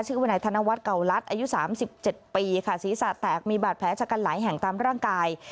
วนายธนวัฒน์เก่ารัฐอายุ๓๗ปีค่ะศีรษะแตกมีบาดแผลชะกันหลายแห่งตามร่างกาย